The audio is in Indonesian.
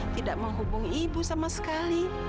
tidak menghubungi ibu sama sekali